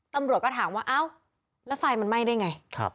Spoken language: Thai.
ตำรวจก็ถามว่าเอ้าแล้วไฟมันไหม้ได้ไง